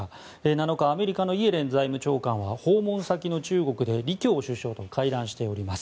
７日アメリカのイエレン財務長官は訪問先の中国で李強首相と会談しております。